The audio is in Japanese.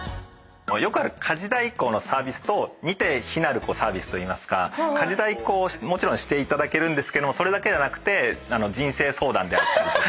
よくある家事代行のサービスと似て非なるサービスといいますか家事代行をもちろんしていただけるんですけどもそれだけじゃなくて人生相談であったりとか。